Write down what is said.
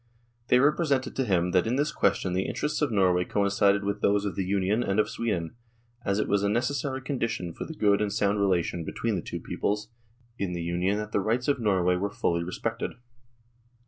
They represented to him that in this question the interests of Norway coincided with those of the Union and of Sweden, as it was a necessary condition for the good and sound relation between the two peoples in the Union that the rights of Nor way were fully respected.